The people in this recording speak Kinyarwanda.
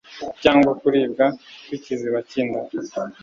cyangwa kuribwa kukiziba cy'inda